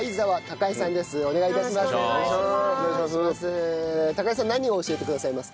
貴惠さん何を教えてくださいますか？